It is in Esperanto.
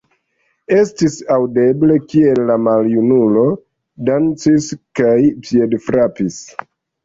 Estis aŭdeble, kiel la maljunulo dancis kaj piedfrapis.